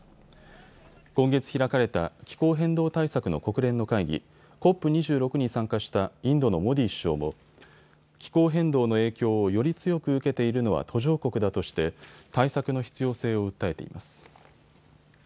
今月開かれた気候変動対策の国連の会議、ＣＯＰ２６に参加したインドのモディ首相も気候変動の影響をより強く受けているのは途上国だとして対策の必要性を訴えています。